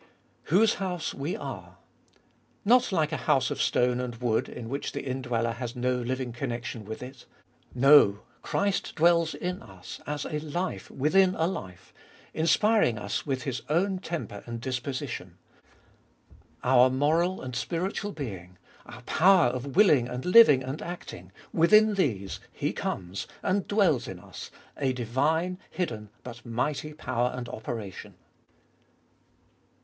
2. Whose house we are. Not like a house of stone and wood, in which the indmeller has no liuing connection with it. No, Christ dwells in us as a life within a life, inspiring us with His own temper and disposition. Our moral and spiritual being, our power of willing and living and acting, within these He comes and dwells in us a divine, hidden, but mighty power and operation.